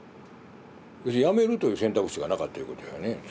やめるという選択肢がなかったいうことやね。